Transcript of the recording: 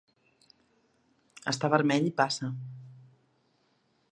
Està vermell i passa.